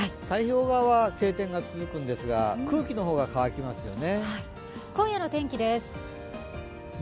太平洋側は晴天が続くんですが、空気が乾きます。